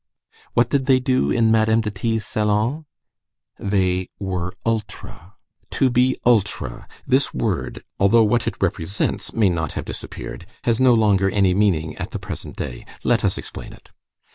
What did they do in Madame de T.'s salon? They were ultra. To be ultra; this word, although what it represents may not have disappeared, has no longer any meaning at the present day. Let us explain it.